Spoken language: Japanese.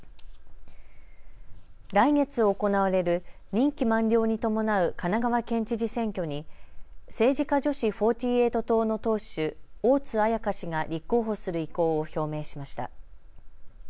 来月行われる任期満了に伴う神奈川県知事選挙に政治家女子４８党の党首、大津綾香氏が立候補する意向を表明しました。